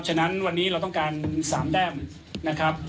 ฉะนั้นวันนี้เราต้องการ๓แต้มนะครับ